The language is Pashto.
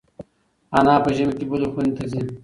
انا په ژمي کې بلې خونې ته ځي.